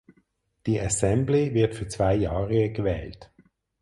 Die Assembly wird für zwei Jahre gewählt.